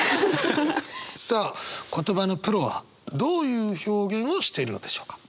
さあ言葉のプロはどういう表現をしているのでしょうか。